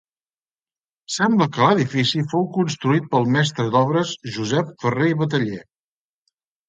Sembla que l'edifici fou construït pel mestre d'obres Josep Ferrer i Bataller.